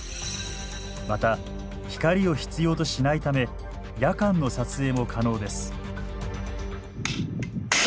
また光を必要としないため夜間の撮影も可能です。